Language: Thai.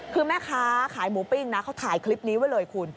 คือแม่ค้าขายหมูปิ้งนะเขาถ่ายคลิปนี้ไว้เลยคุณ